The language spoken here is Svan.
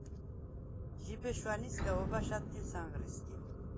ჟიბე შვა̈ნისგა ობა̈შ ა̈დგილს ანღრი სგიმ.